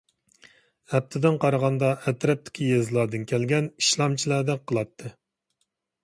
ئەپتىدىن قارىغاندا ئەتراپتىكى يېزىلاردىن كەلگەن ئىشلەمچىلەردەك قىلاتتى.